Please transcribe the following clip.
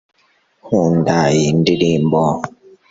Nkunda iyi ndirimbo